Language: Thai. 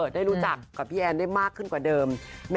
ได้รู้จักกับพี่แอนได้มากขึ้นกว่าเดิม